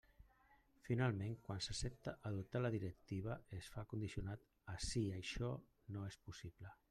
Finalment, quan s'accepta adoptar la directiva es fa condicionat a “si això no és possible”.